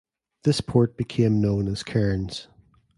This port became known as Cairns.